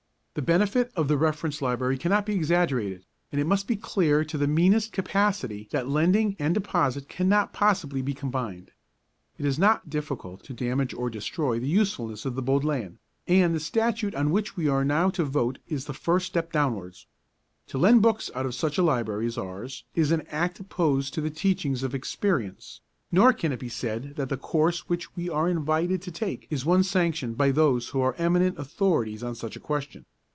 The benefit of a reference library cannot be exaggerated, and it must be clear to the meanest capacity that lending and deposit cannot possibly be combined. It is not difficult to damage or destroy the usefulness of the Bodleian, and the Statute on which we are now to vote is the first step downwards. To lend books out of such a library as ours is an act opposed to the teachings of experience, nor can it be said that the course which we are invited to take is one sanctioned by those who are eminent authorities on such a question.